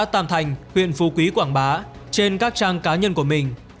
tàu cá tàm thành huyện phú quý quảng bá trên các trang cá nhân của mình